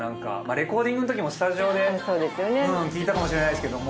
レコーディングのときもスタジオで聴いたかもしれないですけども。